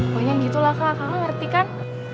pokoknya gitu lah kak kakak ngerti kan